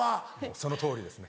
そのとおりですね